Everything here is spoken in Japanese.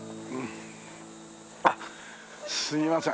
あっすいません。